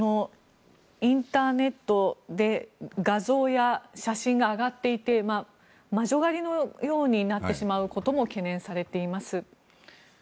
インターネットで画像や写真が上がっていて魔女狩りのようになってしまうことも懸念されています。